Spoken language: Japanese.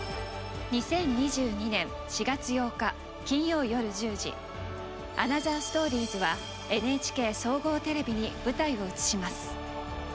２０２２年４月８日金曜夜１０時「アナザーストーリーズ」はＮＨＫ総合テレビに舞台を移します。